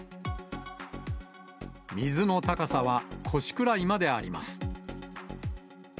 水の高さは腰くらいまであります。